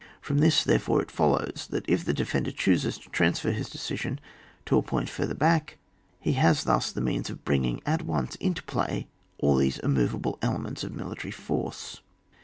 From this, therefore, it follows, that if the defender chooses to transfer his decision to a point further back, he has thus the means of bringing at once into play all these immovable elements of military force.